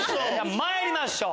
まいりましょう。